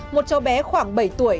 một chó bé khoảng bảy tuổi